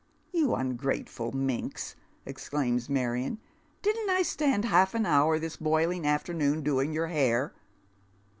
" You ungrateful minx," exclaims Marion, " didn't I stand half an hour this broiling afternoon doing your hair